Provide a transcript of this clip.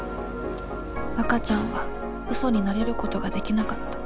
わかちゃんは嘘に慣れることができなかった。